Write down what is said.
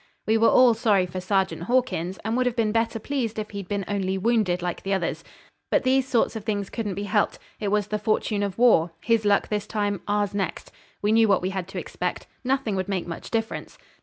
We were all sorry for Sergeant Hawkins, and would have been better pleased if he'd been only wounded like the others. But these sorts of things couldn't be helped. It was the fortune of war; his luck this time, ours next. We knew what we had to expect. Nothing would make much difference.